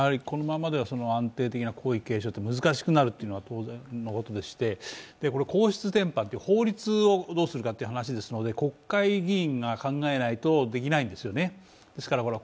このままでは安定的な皇位継承が難しくなるというのは当然のことでして皇室典範という法律をどうするかという話なので国会議員が考えないとできないんですよね。